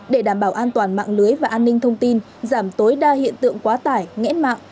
để đảm bảo an toàn mạng lưới và an ninh thông tin giảm tối đa hiện tượng quá tải ngã mạng